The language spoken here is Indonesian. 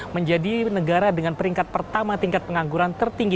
menjadi negara dengan peringkat pertama tingkat pengangguran tertinggi